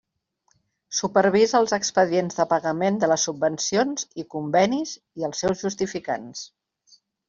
Supervisa els expedients de pagament de les subvencions i convenis i els seus justificants.